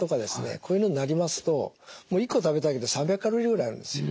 こういうのになりますと１個食べただけで３００ｋｃａｌぐらいあるんですよ。